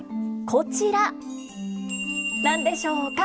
こちら何でしょうか？